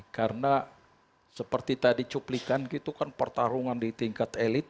karena seperti tadi cuplikan gitu kan pertarungan di tingkat elit